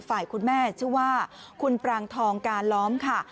คุณแม่ชื่อว่าคุณปรางทองการล้อมค่ะ